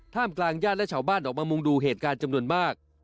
กลางญาติและชาวบ้านออกมามุงดูเหตุการณ์จำนวนมาก